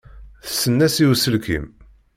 Tessens-as i uselkim.